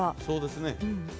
そうですね。